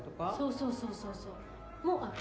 ・そうそうそうそうもある。